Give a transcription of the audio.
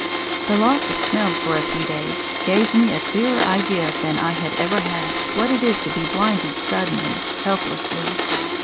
The loss of smell for a few days gave me a clearer idea than I had ever had what it is to be blinded suddenly, helplessly.